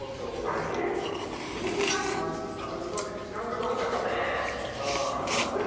あれ結構自分に合うマスク探すまで時間かかんなかった？